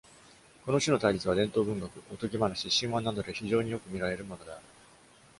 この種の対立は、伝統文学、おとぎ話、神話などで非常によく見られるものである。